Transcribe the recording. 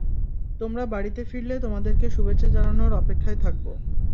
তোমরা বাড়িতে ফিরলে তোমাদেরকে শুভেচ্ছা জানানোর অপেক্ষায় থাকবো।